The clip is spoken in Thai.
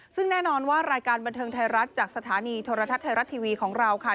ซึ่งแน่นอนว่ารายการบันเทิงไทยรัฐจากสถานีโทรทัศน์ไทยรัฐทีวีของเราค่ะ